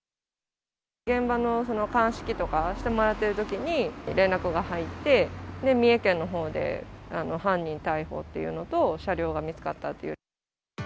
現場の鑑識とかしてもらってるときに、連絡が入って、三重県のほうで犯人逮捕っていうのと、車両が見つかったっていう。